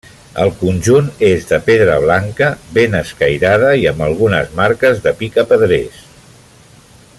El conjunt és de pedra blanca, ben escairada i amb algunes marques de picapedrers.